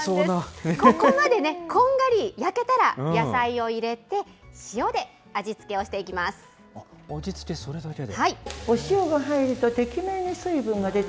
ここまでこんがり焼けたら、野菜を入れて、塩で味付けをして味付け、それだけで？